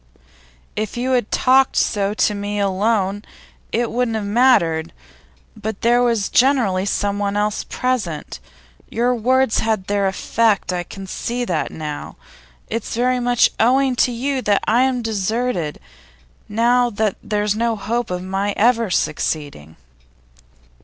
If you had talked so to me alone, it wouldn't have mattered. But there was generally someone else present. Your words had their effect; I can see that now. It's very much owing to you that I am deserted, now that there's no hope of my ever succeeding.